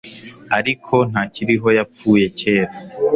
ariko ntakiriho, yapfuye kera